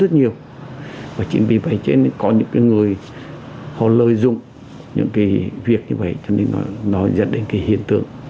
thì nó khó khăn